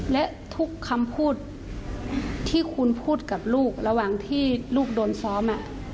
และทุกคำพูดที่คุณพูดกับลูกระหว่างที่ลูกโดนซ้อม